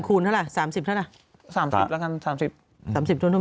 ๕๐๐๐คูณเท่าไหร่๓๐เท่าไหร่